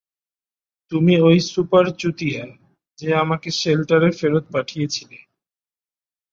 তুমি ওই সুপার চুতিয়া যে আমাকে শেল্টারে ফেরত পাঠিয়েছিলে।